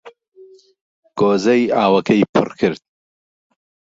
گۆزەی ئاوەکەی پڕ کرد